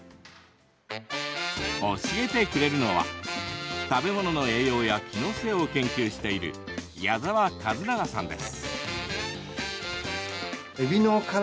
教えてくれるのは、食べ物の栄養や機能性を研究している矢澤一良さんです。